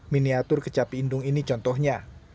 miniatur kecapi indung ini contohnya